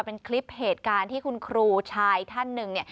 เป็นคลิปเหตุการณ์ที่คุณครูชายท่านหนึ่งเนี่ย